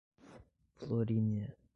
Florínea